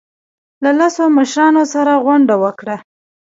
له لسو مشرانو سره غونډه وکړه.